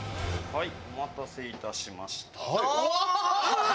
はいお待たせいたしました。